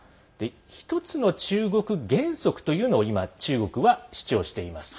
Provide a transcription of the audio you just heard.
ひとつの中国原則というのを今、中国は主張しています。